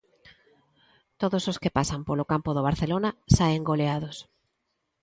Todos os que pasan polo campo do Barcelona saen goleados.